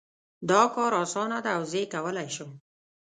دا کار اسانه ده او زه یې کولای شم